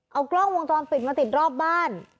เอากล้องวงจรปิดมาติดรอบบ้าน